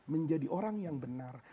menjadi orang yang benar